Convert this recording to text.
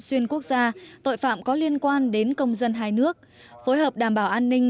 xuyên quốc gia tội phạm có liên quan đến công dân hai nước phối hợp đảm bảo an ninh